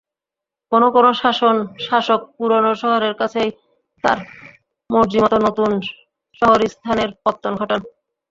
কোনো কোনো শাসক পুরোনো শহরের কাছেই তাঁর মর্জিমতো নতুন শহরিস্তানের পত্তন ঘটান।